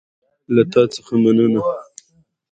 ازادي راډیو د د تګ راتګ ازادي د اغیزو په اړه مقالو لیکلي.